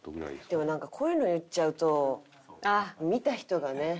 でもなんかこういうの言っちゃうと見た人がね。